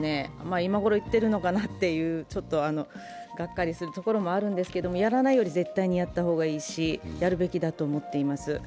今頃言ってるのかなというちょっとがっかりするところもあるんですけれどもやらないより絶対にやった方がいいしやるべきだと思っています。